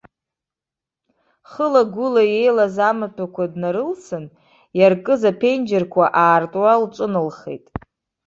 Хыла-гәыла еилаз амаҭәақәа днарылсын, иаркыз аԥенџьырқәа аартуа лҿыналхеит.